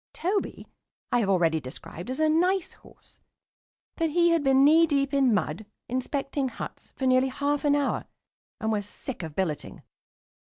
Toby I have already described as a nice horse, but he had been knee deep in mud, inspecting huts, for nearly half an hour, and was sick of billeting.